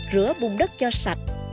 rửa bùng đất cho sạch